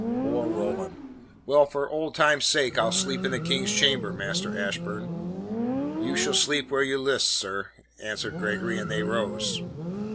"Poor Roland! Well, for old time's sake, I'll sleep in the King's chamber, Master Ashburn." "You shall sleep where you list, sir," answered Gregory, and they rose.